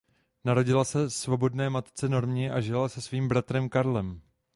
Narodila se svobodné matce Normě a žila se svým bratrem Karlem.